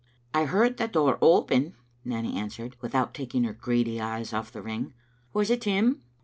"I heard the door open," Nanny answered, without taking her greedy eyes off the ring. "Was it him?